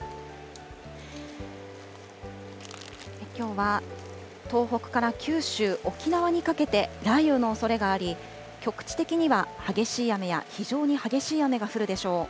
きょうは東北から九州、沖縄にかけて、雷雨のおそれがあり、局地的には激しい雨や、非常に激しい雨が降るでしょう。